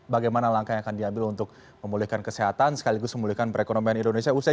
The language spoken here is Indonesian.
bagaimana langkah yang akan diambil untuk memulihkan kesehatan sekaligus memulihkan perekonomian indonesia usai